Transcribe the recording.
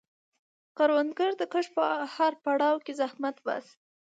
کروندګر د کښت په هر پړاو کې زحمت باسي